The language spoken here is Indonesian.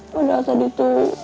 padahal tadi itu